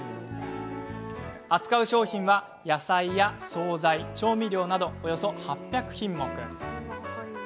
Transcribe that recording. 扱う商品は野菜や総菜調味料など、およそ８００品目。